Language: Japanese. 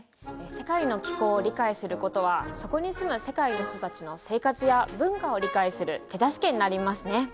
世界の気候を理解することはそこに住む世界の人たちの生活や文化を理解する手助けになりますね。